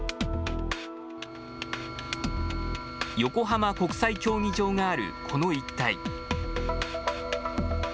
横浜国際競技場があるこの一帯。